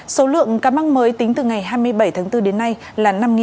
số lượng cá măng mới tính từ ngày hai mươi bảy tháng bốn đến nay là năm tám trăm bảy mươi năm ca